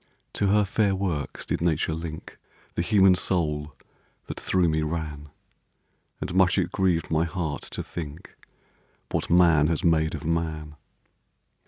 To her fair works did Nature link The human soul that through me ran; And much it grieved my heart to think What Man has made of Man.